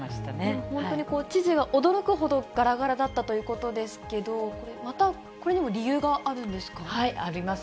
本当に知事が驚くほどがらがらだったということですけど、これ、また、これにも理由があるあります。